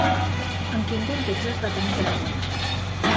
En quin context es va tenir present?